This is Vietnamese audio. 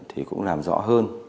thì cũng làm rõ hơn